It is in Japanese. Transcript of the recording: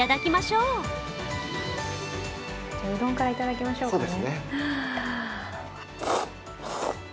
うどんからいただきましょうかね。